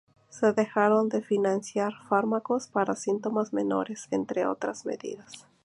Se dejaron de financiar fármacos para síntomas menores, entre otras medidas.